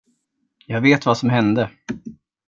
Jag vet vad som hände.